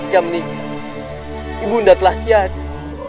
ketika meninggal ibu nda telah tiada